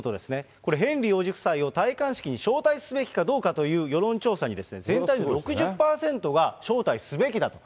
これ、ヘンリー王子夫妻を戴冠式に招待すべきかどうかという世論調査に、全体の６０％が招待すべきだと。